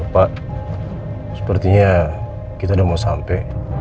pak sepertinya kita udah mau sampai